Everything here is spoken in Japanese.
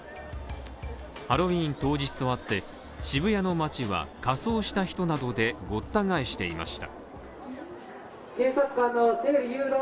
ハロウィーン当日とあって、渋谷の街は、仮装した人などでごった返していました。